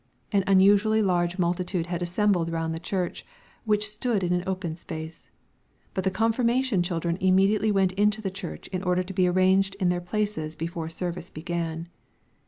An unusually large multitude had assembled round the church, which stood in an open space; but the confirmation children immediately went into the church in order to be arranged in their places before service began.